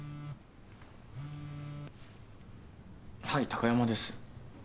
はい貴山です。